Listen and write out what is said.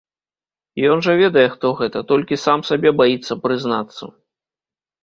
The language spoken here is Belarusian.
Ён жа ведае хто гэта, толькі сам сабе баіцца прызнацца.